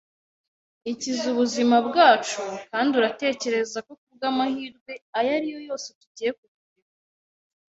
ikiza ubuzima bwacu; kandi uratekereza ko kubwamahirwe ayo ari yo yose tugiye kukureka